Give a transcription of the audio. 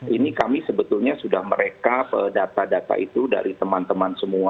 ini kami sebetulnya sudah mereka data data itu dari teman teman semua